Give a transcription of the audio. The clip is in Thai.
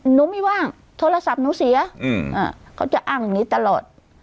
หนูไม่ว่างโทรศัพท์หนูเสียเขาจะอ้างอย่างนี้ตลอด